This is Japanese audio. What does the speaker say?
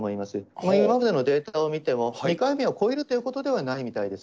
これまでのデータを見ても、２回目を超えるということではないみたいです。